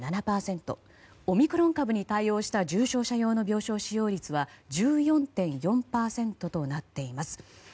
オミクロン株に対応した重症者用の病床使用率は１４．４％となっています。